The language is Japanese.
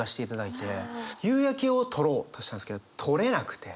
夕焼けを撮ろうとしたんですけど撮れなくて。